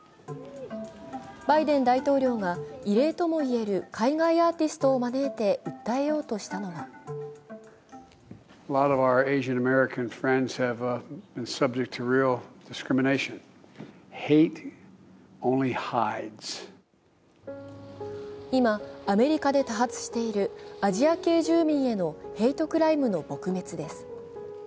バイデン大統領が異例ともいえる海外アーティストを招いて訴えようとしたのは今、アメリカで多発しているアジア系住民へのヘイトクライムの撲滅です。